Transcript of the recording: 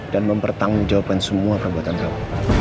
dan mempertanggung jawabkan semua perbuatan kamu